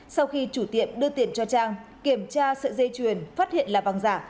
sau khi chủ tiệm đưa tiền cho trang kiểm tra sợi dây chuyền phát hiện là vàng giả